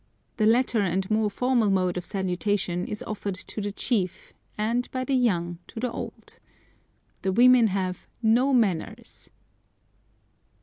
The latter and more formal mode of salutation is offered to the chief, and by the young to the old men. The women have no "manners!"